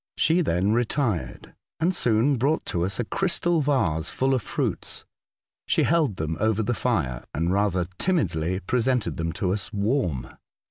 She then retired, and soon brought to us a 110 A Voyage to Other Worlds. crystal vase full of fruits. She held them over the fire, and rather timidly presented them to us warm.